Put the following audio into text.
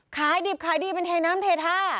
ขายดิบขายดีเป็นเทน้ำเทท่า